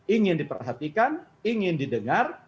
ingin diperhatikan ingin didengar